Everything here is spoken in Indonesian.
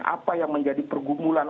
apa yang menjadi pergumulan